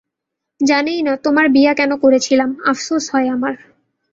জানিই না তোমায় বিয়া কেনো করছিলাম, আফসোস হয় আমার।